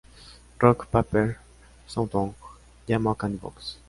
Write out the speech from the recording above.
Rock, Paper, Shotgun llamó a "Candy Box!